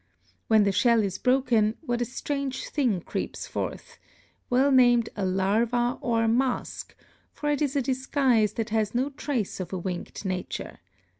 When the shell is broken, what a strange thing creeps forth! well named a larva or mask, for it is a disguise that has no trace of a winged nature.